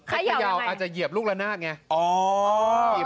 คลาย๊าวอาจจะเหยียบลูกระนาดเนี่ย